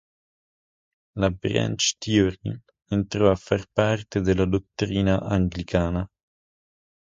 La "Branch Theory" entrò a far parte della dottrina anglicana.